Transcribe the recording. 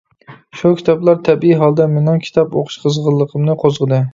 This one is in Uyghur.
شۇ كىتابلار تەبىئىي ھالدا مېنىڭ كىتاب ئوقۇش قىزغىنلىقىمنى قوزغىدى.